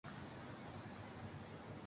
بلکہ ایک بار تو ریشہ مبارک بھی رکھ لی تھی